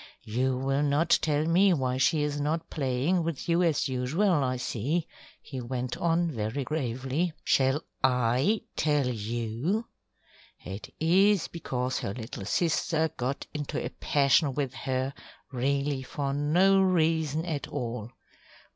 "You will not tell me why she is not playing with you as usual, I see," he went on very gravely. "Shall I tell you? It is because her little sister got into a passion with her, really for no reason at all.